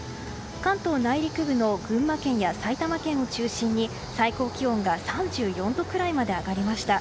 関東内陸部の群馬県や埼玉県を中心に最高気温が３４度くらいまで上がりました。